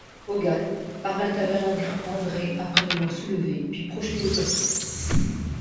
Hogan parvient à vaincre André après l'avoir soulevé puis projeté au tapis.